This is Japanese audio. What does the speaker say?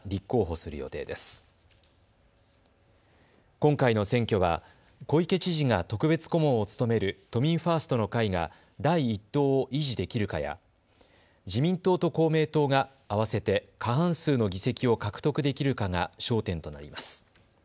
今回の選挙は小池知事が特別顧問を務める都民ファーストの会が第１党を維持できるかや自民党と公明党が合わせて過半数の議席を獲得できるかが焦点となります。